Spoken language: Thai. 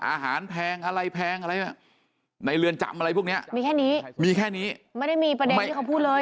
อาหารแพงอะไรแพงอะไรในเรือนจำอะไรพวกนี้มีแค่นี้ไม่ได้มีประเด็นที่เขาพูดเลย